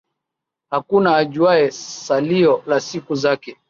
Hakuna ajuaye, salio la siku zake.